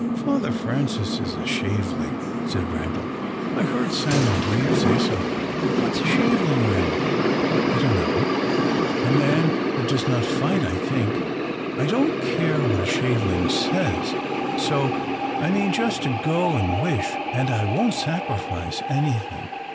"Father Francis is a shaveling," said Randal. "I heard Simon Grieve say so." "What's a shaveling, Randal?" "I don't know: a man that does not fight, I think. I don't care what a shaveling says: so I mean just to go and wish, and I won't sacrifice anything.